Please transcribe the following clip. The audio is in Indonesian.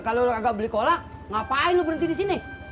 kalau agak beli kolak ngapain lu berhenti di sini